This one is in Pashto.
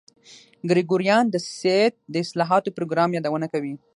ګریګوریان د سید د اصلاحاتو پروګرام یادونه کوي.